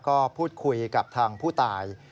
ก็พูดคุยกับทางผู้ตาย